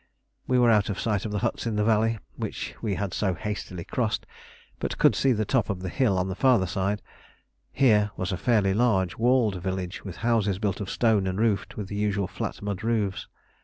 We were out of sight of the huts in the valley which we had so hastily crossed, but could see the top of the hill on the farther side; here was a fairly large walled village, with houses built of stone and roofed with the usual flat mud roofs.